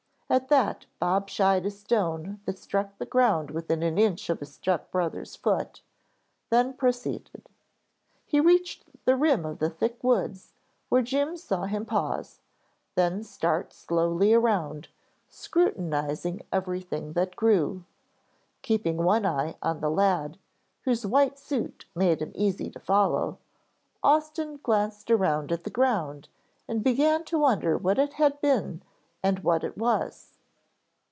At that, Bob shied a stone that struck the ground within an inch of his step brother's foot, then proceeded. He reached the rim of the thick woods, where Jim saw him pause, then start slowly around, scrutinizing everything that grew. Keeping one eye on the lad, whose white suit made him easy to follow, Austin glanced around at the ground and began to wonder what it had been and what it was.